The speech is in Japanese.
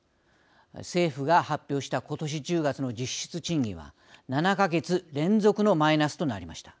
政府が発表した今年１０月の実質賃金は７か月連続のマイナスとなりました。